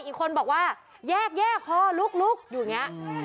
อีกคนบอกว่าแยกแยกพอลุกอยู่อย่างนี้